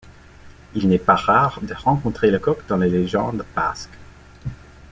Il n'est pas rare de rencontrer le coq dans les légendes basques.